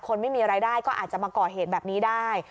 ไม่มีรายได้ก็อาจจะมาก่อเหตุแบบนี้ได้